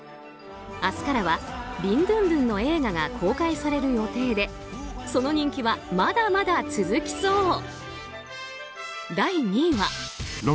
明日からはビンドゥンドゥンの映画が公開される予定でその人気はまだまだ続きそう。